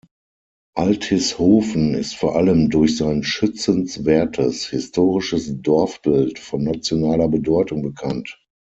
Altishofen ist vor allem durch sein schützenswertes historisches Dorfbild von nationaler Bedeutung bekannt.